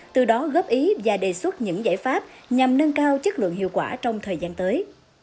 từ đó góp ý và đề xuất những giải pháp nhằm nâng cao chất lượng hiệu quả trong thời gian tới